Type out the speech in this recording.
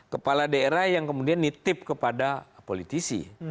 kepala daerah yang kemudian nitip kepada politisi